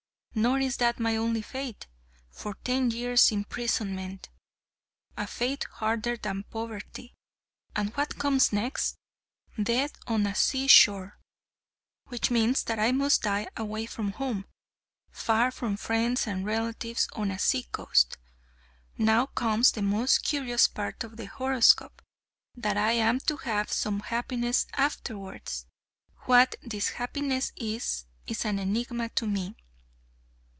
Nor is that my only fate. 'FOR TEN YEARS, IMPRISONMENT' a fate harder than poverty; and what comes next? 'DEATH ON THE SEA SHORE'; which means that I must die away from home, far from friends and relatives on a sea coast. Now comes the most curious part of the horoscope, that I am to 'HAVE SOME HAPPINESS AFTERWARDS!' What this happiness is, is an enigma to me."